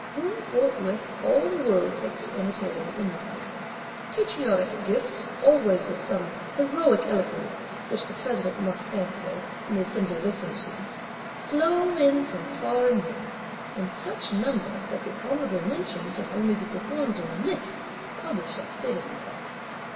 Whom forthwith all the world takes to imitating and emulating. Patriotic Gifts, always with some heroic eloquence, which the President must answer and the Assembly listen to, flow in from far and near: in such number that the honourable mention can only be performed in "lists published at stated epochs."